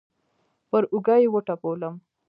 پر اوږه يې وټپولم.